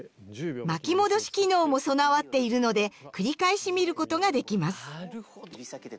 巻き戻し機能も備わっているので繰り返し見ることができます。